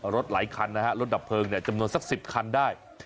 หลายคันนะฮะรถดับเพลิงจำนวนสัก๑๐คันได้